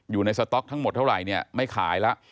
อยู่ในสต๊อกทั้งหมดเท่าไหร่เนี่ยไม่ขายล่ะ